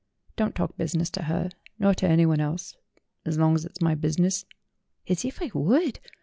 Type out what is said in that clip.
Don't talk business to her nor to anyone else, as long as it's my business." "As if I would